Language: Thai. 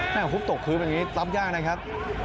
แม่งหุบตกคืนแบบนี้รับยากนะครับ